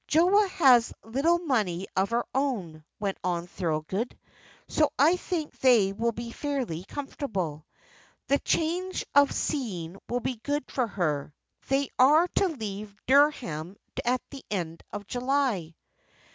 "Joa has a little money of her own," went on Thorold, "so I think they will be fairly comfortable. The change of scene will be good for her. They are to leave Dereham at the end of July."